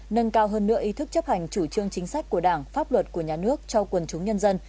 nâng cao hơn nửa ý thức chấp hành chủ trương chính sách của đảng pháp luật của nhà nước cho quần chúng nhân dân